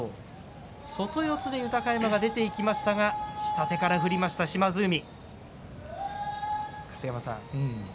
外四つで豊山いきましたが下からいきました島津海。